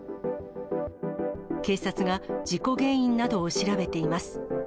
警察が事故原因などを調べています。